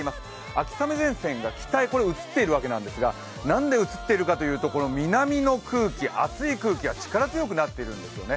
秋雨前線が北へ移っているわけですがなんで移っているかというとこの南の空気、暑い空気が力強くなっているんですね。